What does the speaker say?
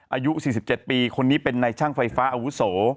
อายุ๔๗ปีคนนี้เป็นในช่างไฟฟ้าอาวุโส